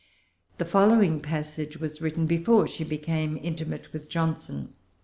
The following passage was written before she became intimate with Johnson.